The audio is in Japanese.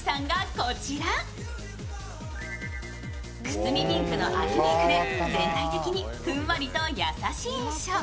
くすみピンクの秋メイクで全体的にふんわりと優しい印象。